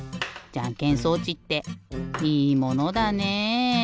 じゃんけん装置っていいものだねえ。